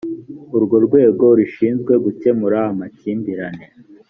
urwo rwego rushinzwe gukemura amakimbirane